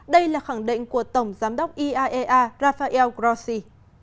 đây là khẳng định của tổng giám đốc iaea rafael grossi